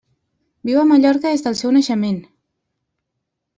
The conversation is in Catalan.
Viu a Mallorca des del seu naixement.